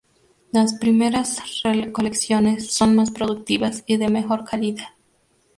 Las primeras recolecciones son más productivas y de mejor calidad.